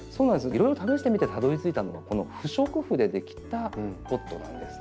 いろいろ試してみてたどりついたのがこの不織布で出来たポットなんです。